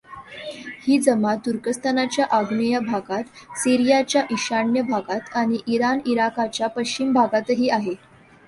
ही जमात तुर्कस्थानच्या आग्नेय भागात, सीरियाच्या ईशान्य भागात आणि इराण इराकच्या पश्चिम भागातही आहे.